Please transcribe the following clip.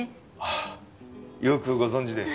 ああよくご存じで。